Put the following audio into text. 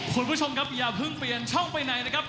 คุณผู้ชมครับอย่าเพิ่งเปลี่ยนช่องไปไหนนะครับ